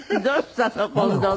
どうしたの？